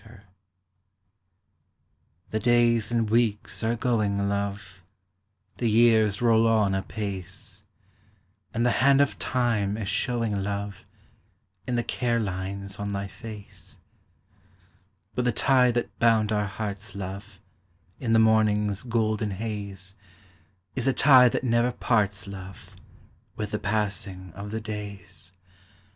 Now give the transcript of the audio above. _ The days and weeks are going, love, The years roll on apace, And the hand of time is showing, love, In the care lines on thy face; But the tie that bound our hearts, love, In the morningâs golden haze, Is a tie that never parts, love, With the passing of the days.